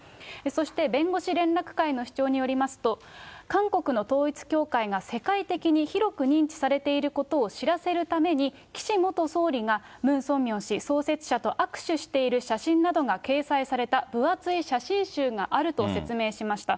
そして、弁護士連絡会の主張によりますと、韓国の統一教会が世界的に広く認知されていることを知らせるために、岸元総理がムン・ソンミョン氏、創設者と握手している写真などが掲載された分厚い写真集があると説明しました。